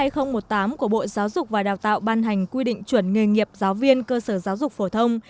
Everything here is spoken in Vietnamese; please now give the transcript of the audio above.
thông tư hai mươi hai nghìn một mươi tám của bộ giáo dục và đào tạo ban hành quy định chuẩn nghề nghiệp giáo viên cơ sở giáo dục phổ thông